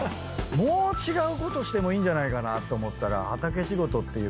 もう違うことしてもいいんじゃないかなと思ったら畑仕事っていう。